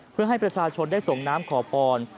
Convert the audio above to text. เพื่อให้ประชาชนได้ส่งน้ำขอพร